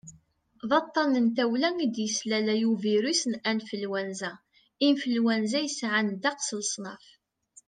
d aṭṭan n tawla i d-yeslalay ubirus n anflwanza influenza yesɛan ddeqs n leṣnaf